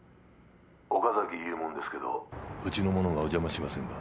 「岡崎いうもんですけどうちの者がお邪魔してませんか？」